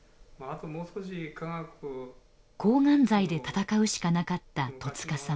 抗がん剤で闘うしかなかった戸塚さん。